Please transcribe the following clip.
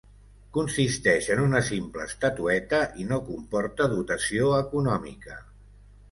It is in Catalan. Consisteix en una simple estatueta i no comporta dotació econòmica.